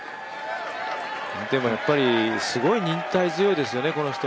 でもやっぱりすごい忍耐強いですよね。